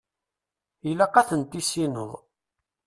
Ilaq ad ten-tissineḍ.